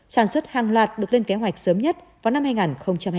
sản xuất hàng loạt được lên kế hoạch sớm nhất vào năm hai nghìn hai mươi